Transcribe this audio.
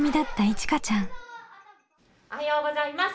おはようございます。